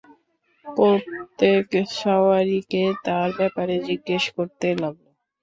প্রত্যক সাওয়ারীকে তার ব্যাপারে জিজ্ঞেস করতে লাগল।